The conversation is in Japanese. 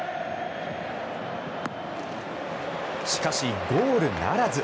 しかし、ゴールならず。